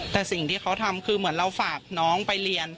แต่สิ่งที่เขาทำคือเหมือนเราฝากน้องไปเรียน